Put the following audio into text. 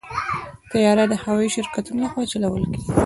طیاره د هوايي شرکتونو لخوا چلول کېږي.